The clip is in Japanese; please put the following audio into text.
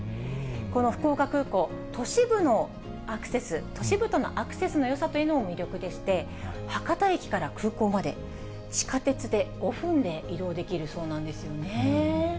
この福岡空港、都市部のアクセス、都市部とのアクセスのよさというのも魅力でして、博多駅から空港まで地下鉄で５分で移動できるそうなんですよね。